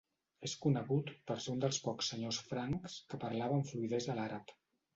És conegut per ser un dels pocs senyors francs que parlava amb fluïdesa l'àrab.